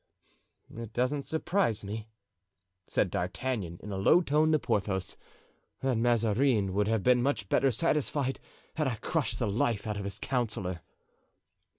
"It doesn't surprise me," said D'Artagnan, in a low tone to Porthos, "that Mazarin would have been much better satisfied had I crushed the life out of his councillor."